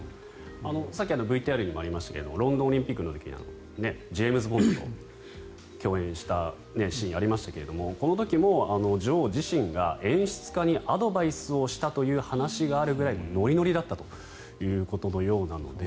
さっきＶＴＲにもありましたがロンドンオリンピックの時にジェームズ・ボンドと共演したシーンがありましたけどこの時も女王自身が演出家にアドバイスをしたという話があるぐらいノリノリだったということのようなので。